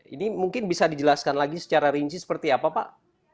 ini mungkin bisa dijelaskan lagi secara rinci seperti apa pak